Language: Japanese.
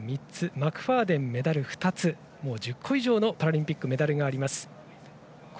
マクファーデン、メダル２つ１０個以上のパラリンピックメダルがあります。